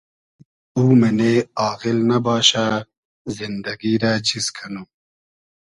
او مئنې آغیل نئباشۂ زیندئگی رۂ چیز کئنوم